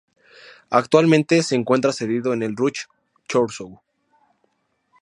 Actualmente se encuentra cedido en el Ruch Chorzów.